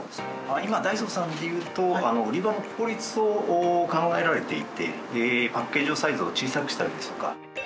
今ダイソーさんでいうと売り場の効率を考えられていてパッケージのサイズを小さくしたりですとか。